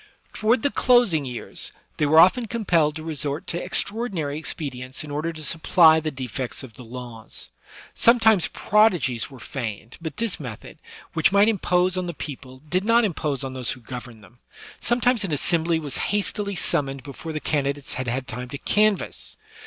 Toward the closing years, they were often compelled to resort to extraordinary expedients in order to supply the defects of the laws. Sometimes prodigies were feigned; but this method, which might impose on the people, did not impose on those who governed them. Sometimes an assembly was hastily summoned before the candidates had had time to canvass.